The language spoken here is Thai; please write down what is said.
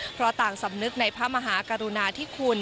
เพราะต่างสำนึกในพระมหากรุณาธิคุณ